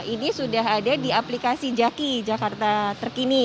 ini sudah ada di aplikasi jaki jakarta terkini